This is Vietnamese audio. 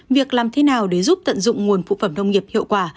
việc làm thế nào để giúp tận dụng nguồn phụ phẩm nông nghiệp hiệu quả